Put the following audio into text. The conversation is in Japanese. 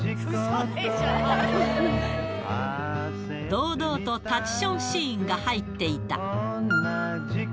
堂々と立ちションシーンが入っていた。